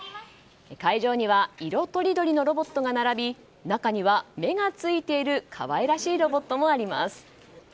会場には色とりどりのロボットが並び中には目がついている可愛らしいロボットもあります。